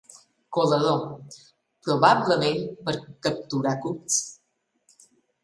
Colador, probablement per capturar cucs.